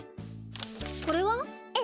これは？え？